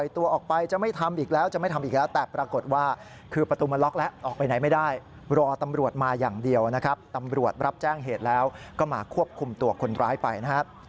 ตำรวจมาอย่างเดียวนะครับตำรวจรับแจ้งเหตุแล้วก็มาควบคุมตัวคนร้ายไปนะฮะ